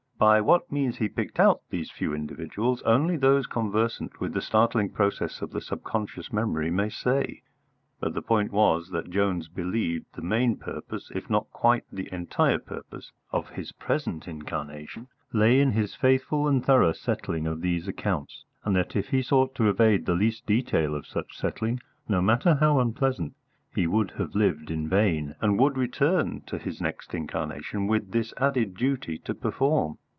By what means he picked out these few individuals only those conversant with the startling processes of the subconscious memory may say, but the point was that Jones believed the main purpose, if not quite the entire purpose, of his present incarnation lay in his faithful and thorough settling of these accounts, and that if he sought to evade the least detail of such settling, no matter how unpleasant, he would have lived in vain, and would return to his next incarnation with this added duty to perform.